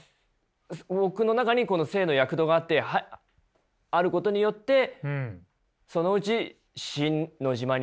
僕の中にこの生の躍動があることによってそのうちシン・ノジマに？